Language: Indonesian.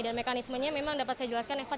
dan mekanismenya memang dapat saya jelaskan efat